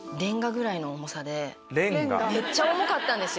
めっちゃ重かったんですよ